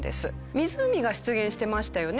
湖が出現してましたよね。